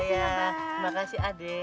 terima kasih adik